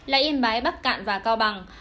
là yên bái bắc cạn và cao bằng